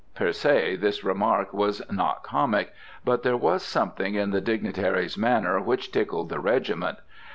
_" Per se this remark was not comic. But there was something in the dignitary's manner which tickled the regiment.